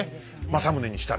政宗にしたら。